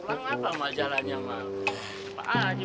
papa majalahnya maul lobi